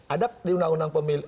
ada di undang undang pemilu